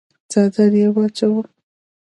څادر يې واچاوه.